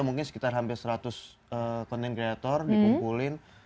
mungkin sekitar hampir seratus konten kreator dikumpulin